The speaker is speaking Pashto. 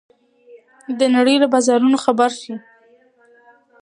د نړۍ له بازارونو خبر شئ.